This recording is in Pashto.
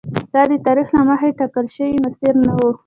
دا د تاریخ له مخکې ټاکل شوی مسیر نه و.